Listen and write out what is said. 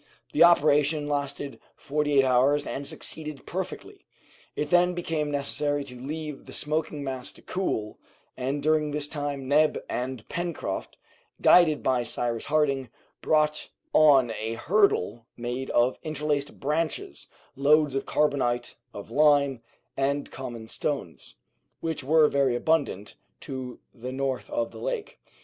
The operation lasted forty eight hours, and succeeded perfectly. It then became necessary to leave the smoking mass to cool, and during this time Neb and Pencroft, guided by Cyrus Harding, brought, on a hurdle made of interlaced branches, loads of carbonate of lime and common stones, which were very abundant, to the north of the lake.